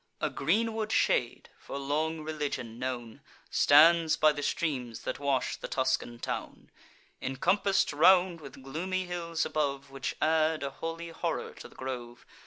A greenwood shade, for long religion known, Stands by the streams that wash the Tuscan town, Incompass'd round with gloomy hills above, Which add a holy horror to the grove.